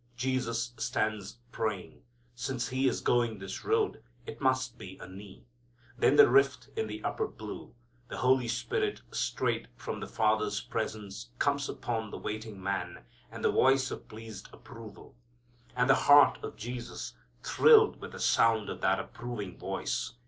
Jesus stands praying. Since He is going this road it must be a knee. Then the rift in the upper blue, the Holy Spirit straight from the Father's presence comes upon the waiting Man and the voice of pleased approval. And the heart of Jesus thrilled with the sound of that approving voice.